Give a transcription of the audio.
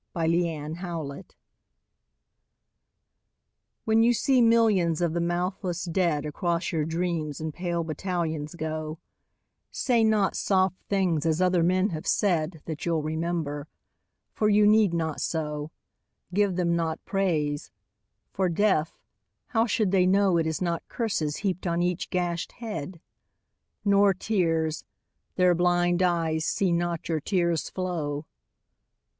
XCI The Army of Death WHEN you see millions of the mouthless dead Across your dreams in pale battalions go, Say not soft things as other men have said, That you'll remember. For you need not so. Give them not praise. For, deaf, how should they know It is not curses heaped on each gashed head ? Nor tears. Their blind eyes see not your tears flow.